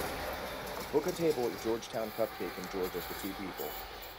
Book a table at Georgetown Cupcake in Georgia for two people